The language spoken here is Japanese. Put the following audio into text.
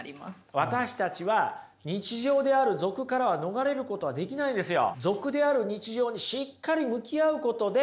私たちは日常である俗からは逃れることはできないんですよ。